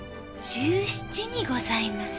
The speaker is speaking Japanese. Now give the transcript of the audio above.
１７にございます。